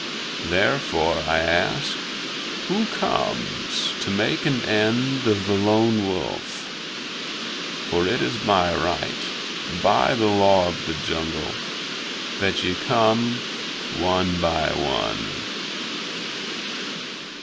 Therefore, I ask, who comes to make an end of the Lone Wolf? For it is my right, by the Law of the Jungle, that ye come one by one."